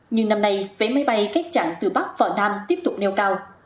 nhưng năm nay vé máy bay các trạng từ bắc và nam tiếp tục nêu cao